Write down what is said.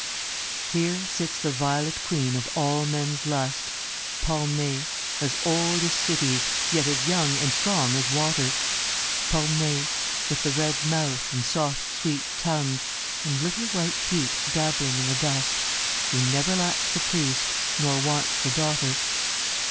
HERE sits the violate queen of all men's lust Pome, as old as cities, yet as young And strong as water Porne, with the red mouth, and soft sweet tongue And little white feet dabbling in the dust Who never lacks a priest, nor wants a daughter.